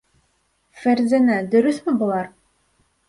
Фәрзәнә, дөрөҫмө былар?